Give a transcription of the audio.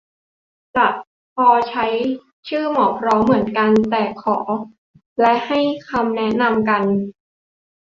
และพอใช้ชื่อ หมอพร้อม เหมือนกัน ตอนขอและให้คำแนะนำกัน